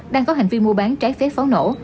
đang có hành vi mua bán trái phép pháo nổ